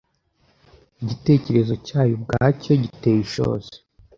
Igitekerezo cyacyo ubwacyo giteye ishozi.